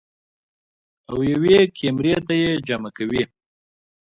او يوې کمرې ته ئې جمع کوي -